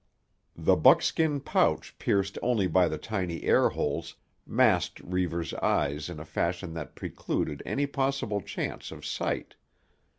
The buckskin pouch pierced only by the tiny air holes, masked Reivers' eyes in a fashion that precluded any possible chance of sight.